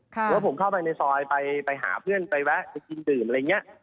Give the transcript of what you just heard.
หรือว่าผมเข้าไปในซอยไปหาเพื่อนไปแวะไปกินดื่มอะไรอย่างนี้